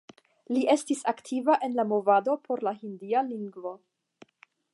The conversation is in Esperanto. Li estis aktiva en la movado por la Hindia lingvo.